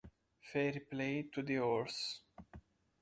Fair play to the horse.